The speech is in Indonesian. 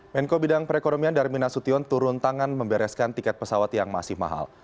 menko bidang perekonomian darmin nasution turun tangan membereskan tiket pesawat yang masih mahal